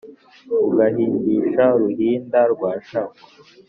ugahindisha ruhinda rwashavu